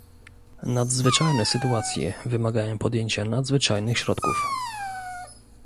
Nadzwyczajne sytuacje wymagają podjęcia nadzwyczajnych środków